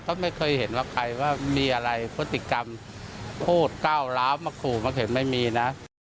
ก็ไม่เคยเห็นว่าใครว่ามีอะไรพฤติกรรมพูดก้าวร้าวมาขู่มาเข็นไม่มีนะ